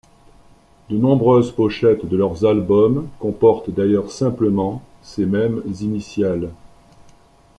De nombreuses pochettes de leurs albums comportent d'ailleurs simplement ces mêmes initiales.